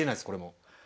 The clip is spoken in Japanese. これもう。